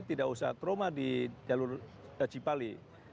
tidak usah trauma di jalur cipali